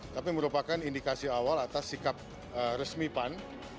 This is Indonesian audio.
tapi merupakan indikasi awal atas sikap resmi pan